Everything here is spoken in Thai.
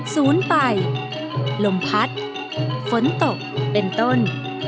ศูนย์ไปลมพัดฝนตกเป็นต้น